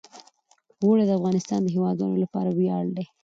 اوړي د افغانستان د هیوادوالو لپاره ویاړ دی.